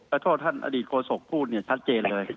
เข้าท่านอดีตโวโสกพูดเนี่ยชาติเรียนเลย